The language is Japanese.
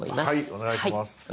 お願いします。